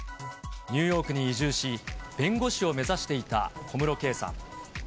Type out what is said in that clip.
ニューヨークに移住し、弁護士を目指していた小室圭さん。